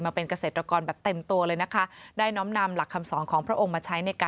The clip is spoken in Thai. มาเป็นเกษตรกรแบบเต็มตัวเลยได้น้อมนำหลักคำสองของพระองค์